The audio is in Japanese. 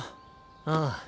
ああ。